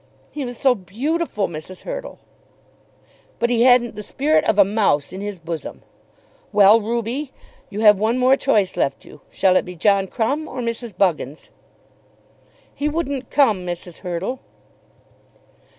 "He was so beautiful, Mrs. Hurtle!" "But he hadn't the spirit of a mouse in his bosom. Well, Ruby, you have one more choice left you. Shall it be John Crumb or Mrs. Buggins?" "He wouldn't come, Mrs. Hurtle."